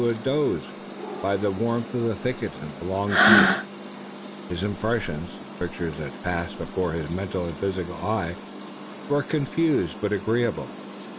a doze by the warmth of the thicket and the long peace. His impressions, the pictures that passed before his mental and physical eye, were confused but agreeable.